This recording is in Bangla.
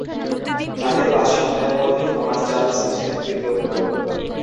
তাঁদের পাঁচ সন্তানের মধ্যে থমাস চার্লস ছিলেন তৃতীয় পুত্র।